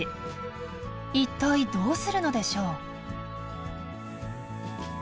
一体どうするのでしょう？